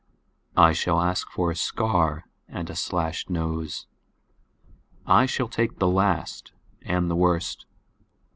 I shall ask for a scar and a slashed nose.I shall take the last and the worst.